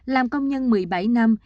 làm công nhân một mươi bảy năm